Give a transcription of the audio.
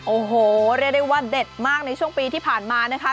โอ้โหเรียกได้ว่าเด็ดมากในช่วงปีที่ผ่านมานะคะ